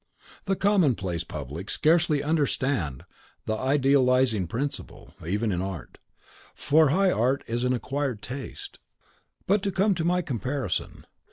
The commonplace public scarcely understand the idealising principle, even in art; for high art is an acquired taste. But to come to my comparison.